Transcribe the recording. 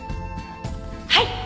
「はい！